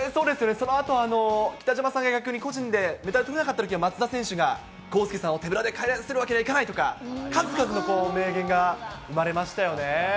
そのあと、北島さんが逆に個人でメダルとれなかったときは、松田選手が康介さんを手ぶらで帰らせるわけにはいかないとか、数々の名言が生まれましたよね。